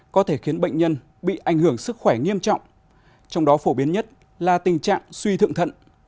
có thể khiến bệnh nhân bị ảnh hưởng sức khỏe nghiêm trọng trong đó phổ biến nhất là tình trạng suy thượng thận